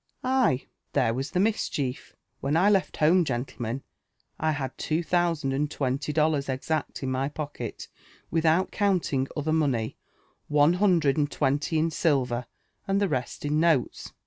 Ay, there was the mischief I — When I left home, gentlemen, I bad two thousand and twenty dollars exact in my fiocket, without counting other money ; one hundred and twenty in silver, and the rest in notes.